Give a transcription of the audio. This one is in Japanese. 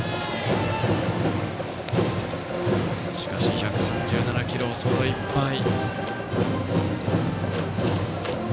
しかし１３７キロ、外いっぱい。